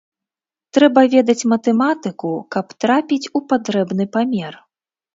Трэба ведаць матэматыку, каб трапіць у патрэбны памер.